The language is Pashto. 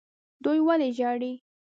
دوی ولې ژاړي.